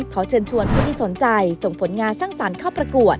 ขอเชิญชวนผู้ที่สนใจส่งผลงานสร้างสรรค์เข้าประกวด